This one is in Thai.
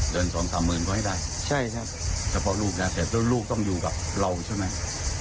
สองสามหมื่นก็ให้ได้ใช่ครับเฉพาะลูกนะแต่แล้วลูกต้องอยู่กับเราใช่ไหม